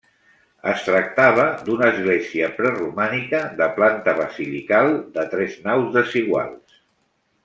Es tractava d'una església preromànica de planta basilical, de tres naus desiguals.